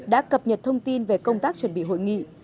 đã cập nhật thông tin về công tác chuẩn bị hội nghị